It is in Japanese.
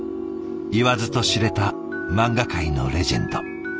言わずと知れた漫画界のレジェンド。